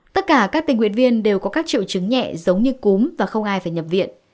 tất cả các tình nguyện viên đều có các triệu chứng nhẹ giống như cúm và không ai phải nhập viện